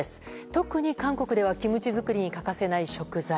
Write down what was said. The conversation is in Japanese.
特に韓国ではキムチ作りに欠かせない食材。